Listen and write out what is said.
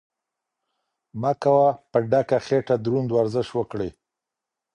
مه کوه چې په ډکه خېټه دروند ورزش وکړې.